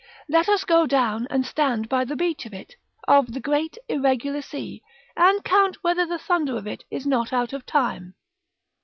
Let us go down and stand by the beach of it, of the great irregular sea, and count whether the thunder of it is not out of time.